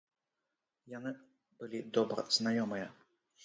Яны былі добра знаёмыя.